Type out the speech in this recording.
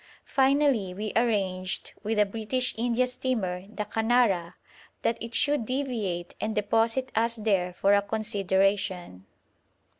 Finally we arranged with a British India steamer, the Canara, that it should 'deviate' and deposit us there for a consideration.